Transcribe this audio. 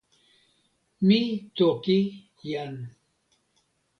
mi toki jan.